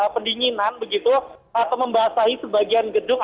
pendinginan begitu atau membasahi sebagian gedung